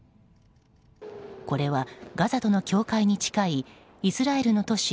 これはガザとの境界に近いイスラエルの都市